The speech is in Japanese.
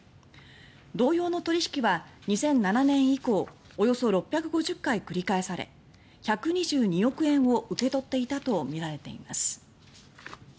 同様の取り引きは２００７年以降およそ６５０回繰り返され１２２億円を受け取っていたとみられています。